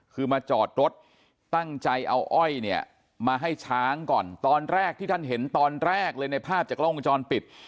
คือมาจอดรถตั้งใจเอาอ้อยเนี่ยมาให้ช้างก่อนตอนแรกที่ท่านเห็นตอนแรกเลยในภาพจากกล้องวงจรปิด